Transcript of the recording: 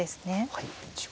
はい。